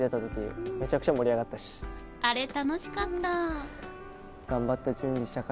あれ楽しかった！